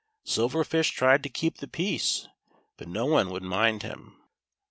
Silver Fish tried to keep the peace, but no one would mind him.